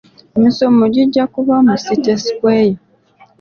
Emisomo gijja kuba mu city square.